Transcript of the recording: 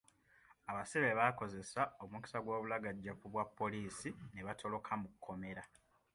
Abasibe bakozesa omukisa gw'obulagajavu bwa poliisi n'ebatoloka mu komera.